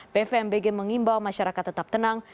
pvmbg mengimbau masyarakat tetap tenang